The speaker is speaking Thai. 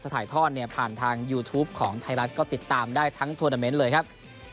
ถ่ายทอดเนี่ยผ่านทางยูทูปของไทยรัฐก็ติดตามได้ทั้งทวนาเมนต์เลยครับ